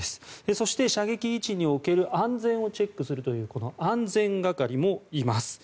そして、射撃位置における安全をチェックするという安全係もいます。